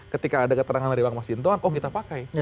ketika ada keterangan dari bang mas hinton oh kita pakai